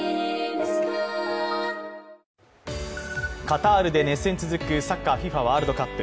カタールで熱戦続くサッカーＦＩＦＡワールドカップ。